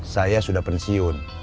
saya sudah pensiun